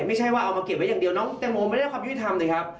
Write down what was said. ไม่ใช่ว่าเอามาเก็บไว้อย่างเดียวน้องแตงโมไม่ได้รับความยุติธรรมนะครับ